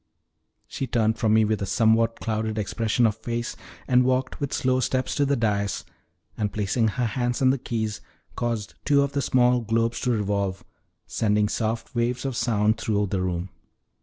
She turned from me with a somewhat clouded expression of face, and walked with slow steps to the dais, and placing her hands on the keys, caused two of the small globes to revolve, sending soft waves of sound through the room.